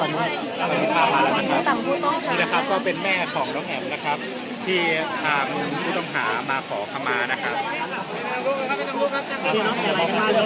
นี่แหละครับก็เป็นแม่ของน้องแอ๋มนะครับที่ทางผู้ต้องหามาขอคำมานะครับ